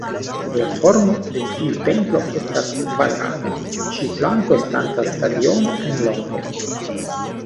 La formo de tiu templo estas kvadrata, ĉiu flanko estanta stadiono en longo.